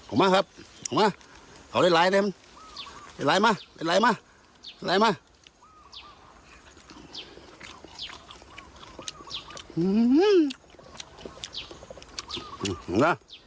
ออกมาครับออกมาเอาได้ไหร่เนี่ยมัน